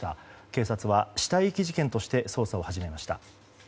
警察は死体遺棄事件として捜査を始めました。